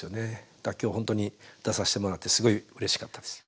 だから今日ほんとに出させてもらってすごいうれしかったです。